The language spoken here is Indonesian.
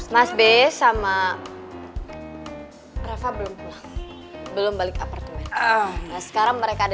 mas b sama rafa belum pulang belum balik apartemen sekarang mereka ada